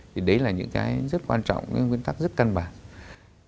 thì đấy là những cái rất quan trọng những nguyên tắc rất căn bản